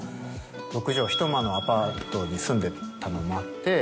６畳１間のアパートに住んでたのもあって。